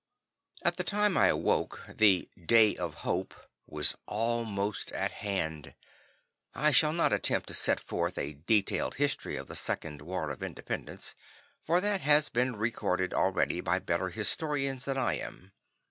At the time I awoke, the "Day of Hope" was almost at hand. I shall not attempt to set forth a detailed history of the Second War of Independence, for that has been recorded already by better historians than I am.